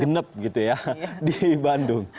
genep gitu ya di bandung